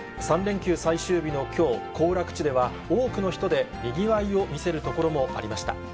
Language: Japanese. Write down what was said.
３連休最終日のきょう、行楽地では、多くの人でにぎわいを見せる所もありました。